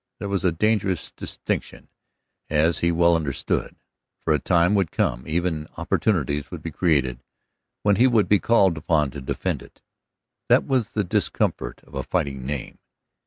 That was a dangerous distinction, as he well understood, for a time would come, even opportunities would be created, when he would be called upon to defend it. That was the discomfort of a fighting name.